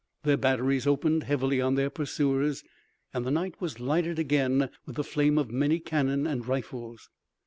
Their batteries opened heavily on their pursuers, and the night was lighted again with the flame of many cannon and rifles.